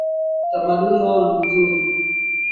Utamaduni wao ni mzuri.